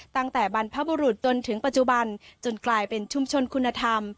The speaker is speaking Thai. บรรพบุรุษจนถึงปัจจุบันจนกลายเป็นชุมชนคุณธรรม